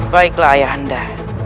baiklah ayah anda